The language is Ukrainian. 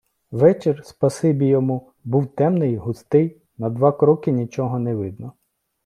Вечір, спасибі йому, був темний, густий, на два кроки нічого не видно.